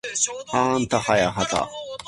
はあんたはやはた